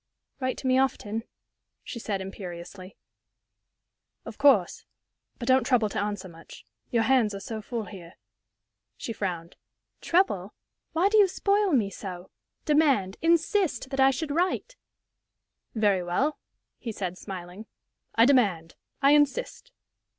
"Write to me often," she said, imperiously. "Of course. But don't trouble to answer much. Your hands are so full here." She frowned. "Trouble! Why do you spoil me so? Demand insist that I should write!" "Very well," he said, smiling, "I demand I insist!"